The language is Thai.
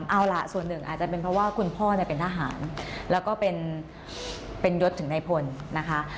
เอาล่ะส่วนหนึ่งอาจจะเป็นเพราะว่าคุณพ่อเป็นทหารแล้วก็เป็นยศถึงในพลนะคะ